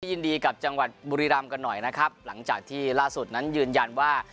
ยินดีกับจังหวัดบุรีรำกันหน่อยนะครับหลังจากที่ล่าสุดนั้นยืนยันว่า